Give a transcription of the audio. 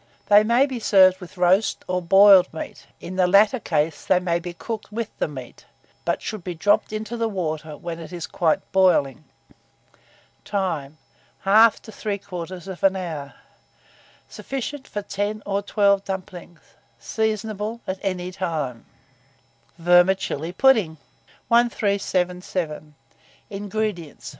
They may be served with roast or boiled meat; in the latter case they may be cooked with the meat, but should be dropped into the water when it is quite boiling. Time. 1/2 to 3/4 hour. Sufficient for 10 or 12 dumplings. Seasonable at any time. VERMICELLI PUDDING. 1377. INGREDIENTS.